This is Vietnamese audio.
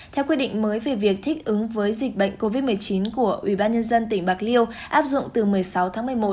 theo quy định mới về việc thích ứng với dịch bệnh covid một mươi chín của ubnd tỉnh bạc liêu áp dụng từ một mươi sáu tháng một mươi một